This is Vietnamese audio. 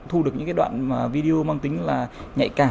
thu được những cái đoạn video mang tính là nhạy cảm